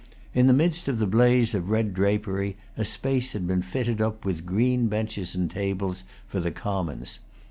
In the midst of the blaze of red drapery, a space had been fitted up with green benches and tables for the Commons.